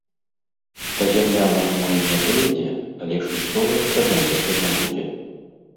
Да зямлянак мо і не дойдзе, але ж і соладка налета не будзе.